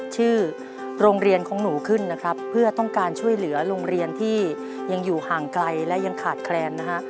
ชื่อโรงเรียนของหนูขึ้นนะครับเพื่อต้องการช่วยเหลือโรงเรียนที่ยังอยู่ห่างไกลและยังขาดแคลนนะฮะ